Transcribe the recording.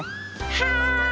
はい！